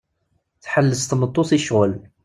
Tḥelles tmeṭṭut i ccɣel.